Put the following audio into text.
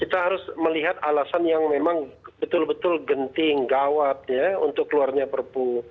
kita harus melihat alasan yang memang betul betul genting gawat untuk keluarnya perpu